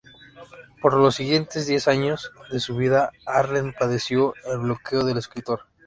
Por los siguientes diez años de su vida, Arlen padeció el bloqueo del escritor.